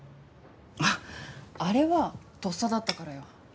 あれはとっさだったからよ。